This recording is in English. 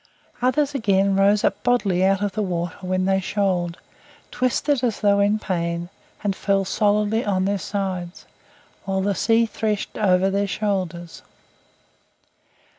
Others, again, rose up bodily out of the water when they shoaled, twisted as though in pain, and fell solidly on their sides, while the sea threshed over their shoulders.